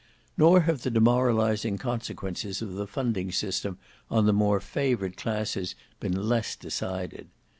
Nor have the demoralizing consequences of the funding system on the more favoured classes been less decided.